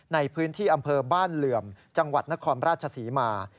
ในพื้นที่อำเภอบ้านเหลื่อมจังหวัดนครราชศรีมา